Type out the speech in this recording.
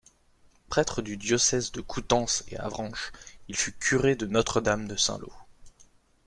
Prêtre du diocèse de Coutances et Avranches, il fut curé de Notre-Dame de Saint-Lô.